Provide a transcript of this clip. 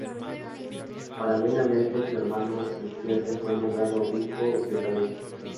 Paralelamente, su hermano Gutierre fue nombrado obispo de Palencia.